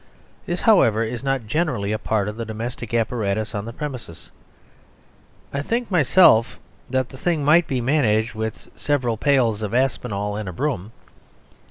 This, however, is not generally a part of the domestic apparatus on the premises. I think myself that the thing might be managed with several pails of Aspinall and a broom.